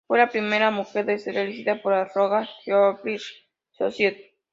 Fue la primera mujer en ser elegida por la Royal Geographical Society.